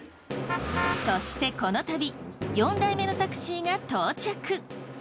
そしてこの旅４台目のタクシーが到着。